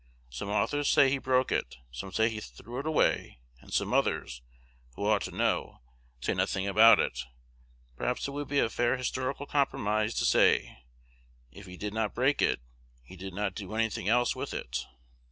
Some authors say he broke it; some say he threw it away; and some others, who ought to know, say nothing about it. Perhaps it would be a fair historical compromise to say, if he did not break it, he did not do any thing else with it.